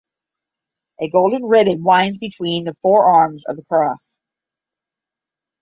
A golden ribbon winds between the four arms of the cross.